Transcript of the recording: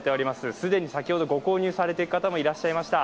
既に先ほどご購入されていく方もいらっしゃいました。